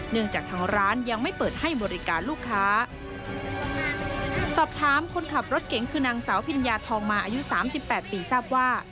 จากทางร้านยังไม่เปิดให้บริการลูกค้าสอบถามคนขับรถเก๋งคือนางสาวพิญญาทองมาอายุสามสิบแปดปีทราบว่า